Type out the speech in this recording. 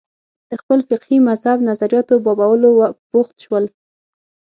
د خپل فقهي مذهب نظریاتو بابولو بوخت شول